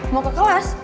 mau ke kelas